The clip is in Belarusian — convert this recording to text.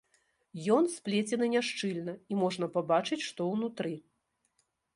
Ён сплецены няшчыльна, і можна пабачыць, што ўнутры.